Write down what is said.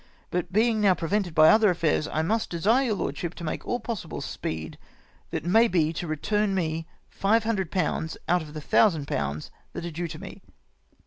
But being now prevented by other affairs, I must desire your lordship to make all the possible speed that may be to return me five hundred pounds out of the thousand pounds that are due to me.